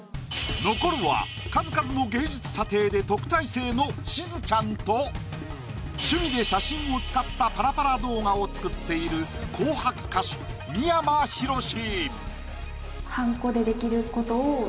残るは数々の芸術査定で特待生のしずちゃんと趣味で写真を使ったパラパラ動画を作っている紅白歌手三山ひろし。